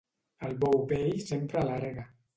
El bou vell sempre a la rega.